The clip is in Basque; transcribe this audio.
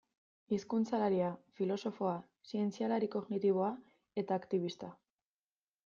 Hizkuntzalaria, filosofoa, zientzialari kognitiboa eta aktibista.